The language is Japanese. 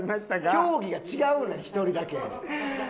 競技が違うねん１人だけ。